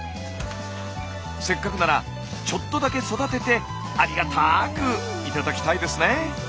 せっかくならちょっとだけ育ててありがたく頂きたいですね。